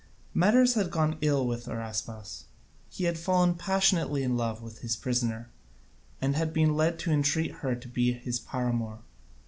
Matters had gone ill with Araspas: he had fallen passionately in love with his prisoner, and been led to entreat her to be his paramour.